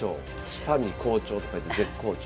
「舌」に「好調」と書いて舌好調。